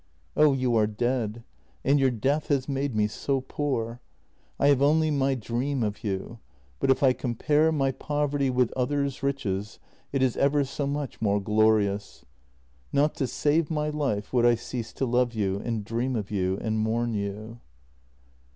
Oh, you are dead, and your death has made me so poor. I have only my dream of you, but if I compare my poverty with others' riches it is ever so much more glorious. Not to save my life would I cease to love you and dream of you and mourn you.